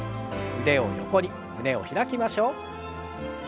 腕を横に胸を開きましょう。